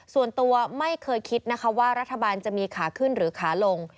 ส่วนตัวไม่เคยคิดนะคะว่ารัฐบาลจะมีขาขึ้นหรือขาลง